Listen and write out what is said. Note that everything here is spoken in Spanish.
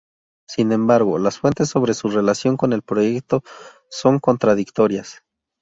Sin embargo, las fuentes sobre su relación con el proyecto son contradictorias.